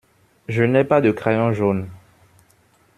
Je n’ai pas de crayon jaune.